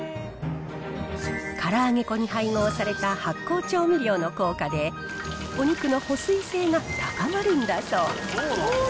から揚げ粉に配合された発酵調味料の効果で、お肉の保水性が高まるんだそう。